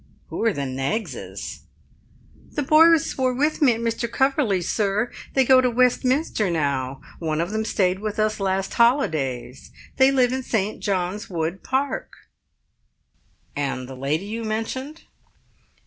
"Who are the Knaggses?" "The boys were with me at Mr. Coverley's, sir; they go to Westminster now. One of them stayed with us last holidays. They live in St. John's Wood Park." "And the lady you mentioned?"